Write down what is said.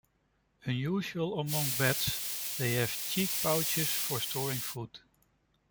Unusual among bats, they have cheek-pouches for storing food.